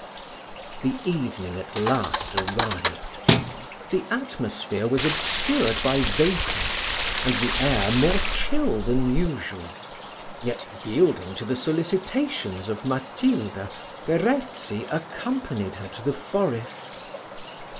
The evening at last arrived: the atmosphere was obscured by vapour, and the air more chill than usual; yet, yielding to the solicitations of Matilda, Verezzi accompanied her to the forest.